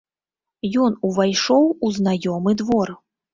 Ён увайшоў у знаёмы двор.